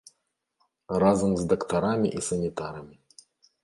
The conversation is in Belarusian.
Разам з дактарамі і санітарамі.